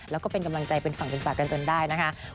แล้วก็เป็นกำลังใจเป็นฝั่งเป็นฝากกันจนได้นะคะ